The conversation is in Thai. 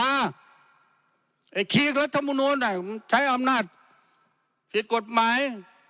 ไอ้คีกรัฐมนูลใช้อำนาจผิดกฎหมาย